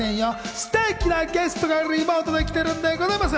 ステキなゲストがリモートで来てるんでございます。